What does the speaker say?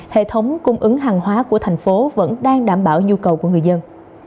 hệ thống cung ứng hàng hóa của thành phố vẫn đang đảm bảo nhu cầu của người dân